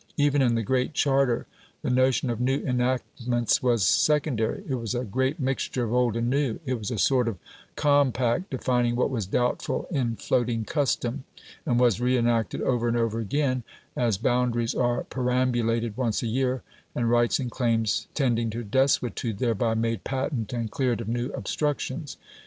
Even in the "Great Charter" the notion of new enactments was secondary, it was a great mixture of old and new; it was a sort of compact defining what was doubtful in floating custom, and was re enacted over and over again, as boundaries are perambulated once a year, and rights and claims tending to desuetude thereby made patent and cleared of new obstructions.